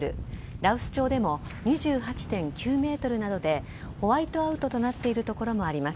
羅臼町でも２８．９メートルなどでホワイトアウトとなっている所もあります。